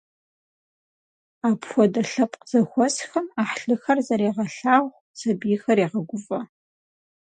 Апхуэдэ лъэпкъ зэхуэсхэм Ӏыхьлыхэр зэрегъэлъагъу, сабийхэр егъэгуфӏэ.